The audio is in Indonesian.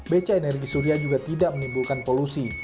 beca energi surya juga tidak menimbulkan polusi